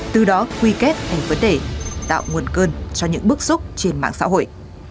từ đó quy kết thành vấn đề tạo nguồn cơn cho những bức xúc trên mạng xã hội